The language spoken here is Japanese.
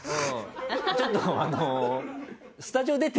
ちょっとあの。